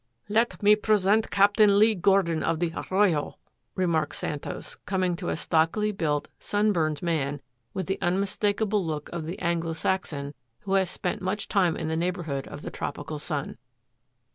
"Let me present Captain Lee Gordon of the Arroyo," remarked Santos, coming to a stockily built, sun burned man with the unmistakable look of the Anglo Saxon who has spent much time in the neighborhood of the tropical sun.